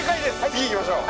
次行きましょう。